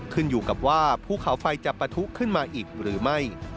ขึ้นอยู่กับว่าภูเขาไฟจะปะทุขึ้นมาอีกหรือไม่